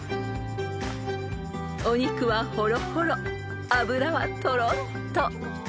［お肉はほろほろ脂はとろっと］